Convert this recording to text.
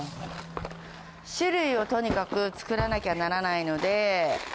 種類をとにかく作らなきゃならないので。